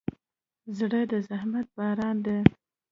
زړه د رحمت باران دی.